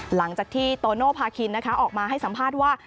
หลังจากที่โตโนภาคินออกมาให้สัมภาษณ์ว่า